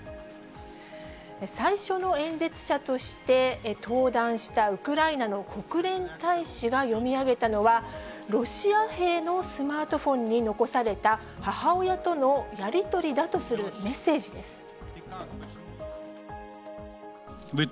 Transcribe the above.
最初の演説者として、登壇したウクライナの国連大使が読み上げたのは、ロシア兵のスマートフォンに残された、母親とのやり取りだとするメッセージです。